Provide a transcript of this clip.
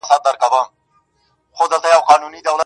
• د غم شپيلۍ راپسي مه ږغـوه.